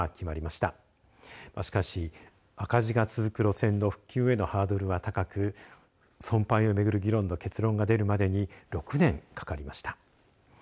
しかし、赤字が続く路線の復旧へのハードルは高く存廃を巡る議論の結論が出るまでに６年かかりました。